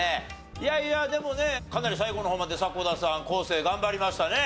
いやいやでもねかなり最後の方まで迫田さん昴生頑張りましたね。